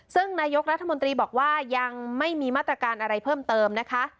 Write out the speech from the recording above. ซึ่งนายกรัฐมนตรีบอกว่ายังไม่มีมาตรการอะไรเพิ่มเติมนะคะ